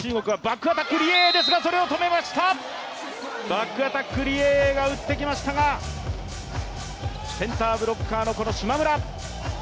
バックアタック、リ・エイエイが打ってきましたがセンターブロッカーの島村！